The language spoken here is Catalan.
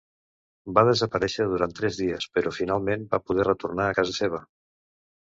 Va desaparèixer durant tres dies però finalment va poder retornar a casa seva.